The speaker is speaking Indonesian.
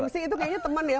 sih itu kayaknya teman ya